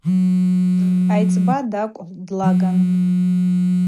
Айцӏба тӏакӏв длаган.